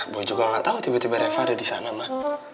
gue juga gak tahu tiba tiba reva ada di sana mah